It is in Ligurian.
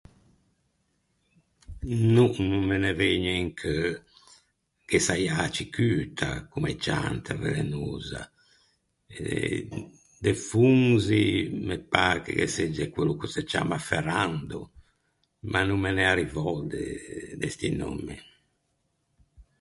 No, no me ne vëgne in cheu. Ghe saià a cicuta comme cianta velenosa. E de fonzi, me pâ che ghe segge quello ch'o se ciamma ferrando, ma no me n'é arrivou de de sti nommi.